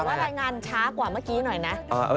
แต่ว่ารายงานช้ากว่าเมื่อกี้หน่อยนะ